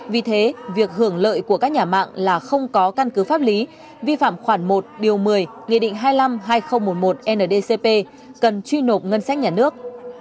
vì thế việc hưởng lợi của các nhà mạng là không có căn cứ pháp lý vi phạm khoản một điều một mươi nghị định hai mươi năm hai nghìn một mươi một ndcp cần truy nộp ngân sách nhà nước